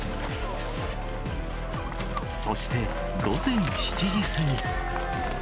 そして午前７時過ぎ。